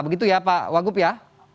begitu ya pak wagub ya